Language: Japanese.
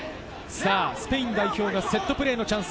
スペイン代表がセットプレーのチャンス。